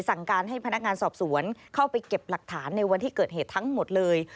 สั่งการให้พนักงานสอบสวนเข้าไปเก็บหลักฐานในวันที่เกิดเหตุทั้งหมดเลย